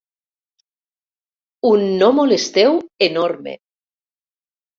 Un no molesteu enorme.